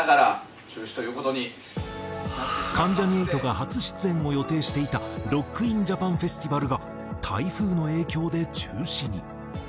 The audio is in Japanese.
関ジャニ∞が初出演を予定していた「ＲＯＣＫＩＮＪＡＰＡＮＦＥＳＴＩＶＡＬ」が台風の影響で中止に。